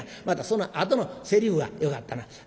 またそのあとのせりふがよかったな。